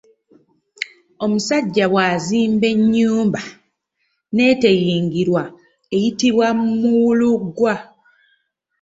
Omusajja bw’azimba ennyumba n’eteyingirwa eyitibwa Muwulugwa.